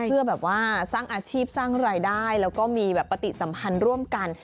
เพื่อแบบว่าสร้างอาชีพสร้างรายได้แล้วก็มีแบบปฏิสัมพันธ์ร่วมกัน